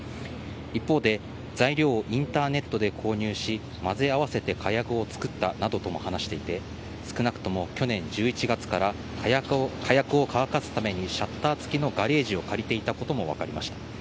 一方で、材料をインターネットで購入し混ぜ合わせて火薬を作ったなどとも話していて少なくとも去年１１月から火薬を乾かすためにシャッターつきのガレージを借りていたことも分かりました。